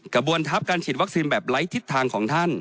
กระบวนทัพการฉีดวัคซีนแบบไร้ทิศทางของท่าน